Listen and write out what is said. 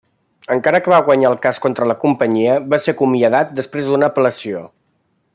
Encara que va guanyar el cas contra la companyia, va ser acomiadat després d'una apel·lació.